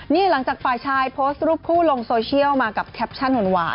นี่หลังจากปลายชายเพิ่มรูปคู่ลงโซเชียลมากับแทปชันห่วงผัว